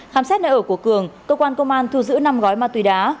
khám xét nơi ở của cường cơ quan công an thu giữ năm gói ma túy đá